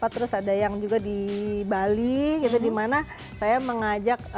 terus ada yang juga di bali gitu dimana saya mengajak